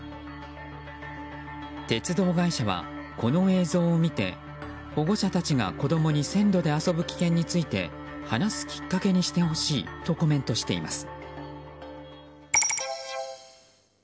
鉄道会社は、この映像を見て保護者たちが、子供に線路で遊ぶ危険について話すきっかけにしてほしいとコメントしています。